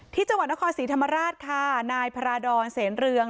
ที่จังหวัดนครศรีธรรมราชค่ะนายพระราดรเสนเรือง